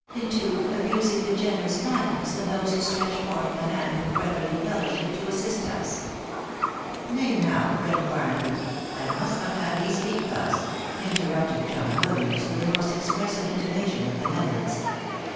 — into abusing the generous kindness of those who stretch forth the hand of brotherly fellowship to assist us ?"" Nay, now, friend Barnaby, I must not have thee speak thus," interrupted J ohn Williams, with the most expressive intonation of benevolence.